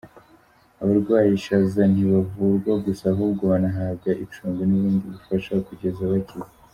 Abarwaye ishaza ntibavurwa gusa ahubwo banahabwa icumbi n’ubundi bufasha kugeza bakize.